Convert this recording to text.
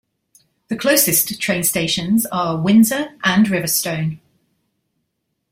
The closest train stations are Windsor and Riverstone.